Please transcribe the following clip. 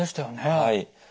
はい。